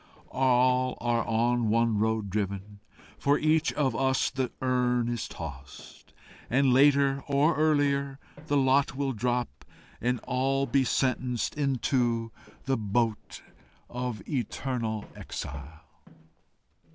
All are on one road driven; for each of us The urn is tossed, and, later or earlier, The lot will drop and all be sentenced Into the boat of eternal exile."